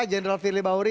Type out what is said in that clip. general fili bahuri